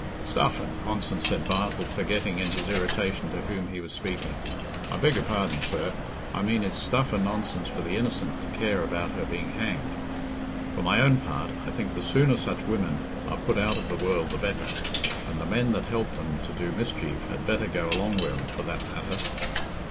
"Stuff and nonsense!" said Bartle, forgetting in his irritation to whom he was speaking. "I beg your pardon, sir, I mean it's stuff and nonsense for the innocent to care about her being hanged. For my own part, I think the sooner such women are put out o' the world the better; and the men that help 'em to do mischief had better go along with 'em for that matter.